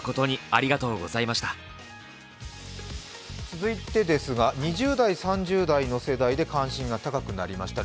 続いてですが、２０代、３０代の世代で関心が高くなりました。